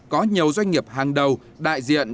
có nhiều doanh nghiệp hàng đầu đại diện